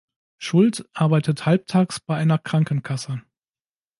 Schuldt arbeitet halbtags bei einer Krankenkasse.